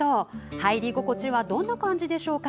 入り心地はどんな感じでしょうか。